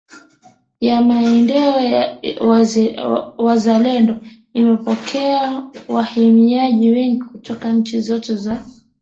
ya Maindio wazalendo ikapokea wahamiaji wengi kutoka nchi zote za